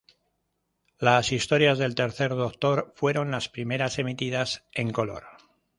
Las historias del Tercer Doctor fueron las primeras emitidas en color.